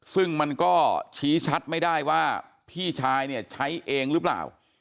ซึ่งมันก็ชี้ชัดไม่ได้ว่าพี่ชายเนี่ยใช้เองหรือเปล่า